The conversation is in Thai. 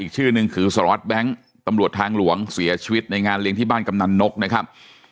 ชื่อหนึ่งคือสารวัตรแบงค์ตำรวจทางหลวงเสียชีวิตในงานเลี้ยงที่บ้านกำนันนกนะครับ